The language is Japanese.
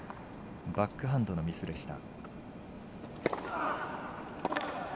バックハンドのミスでした。